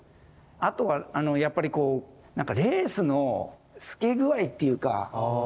あとはやっぱりこうレースの透け具合っていうか